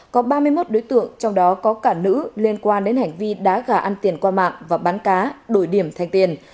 có ba mươi một đối tượng trong đó có cả nữ liên quan đến hành vi đá gà ăn tiền qua mạng và bán cá đổi điểm thành tiền